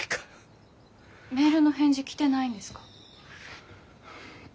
メールの返事来てないんですか？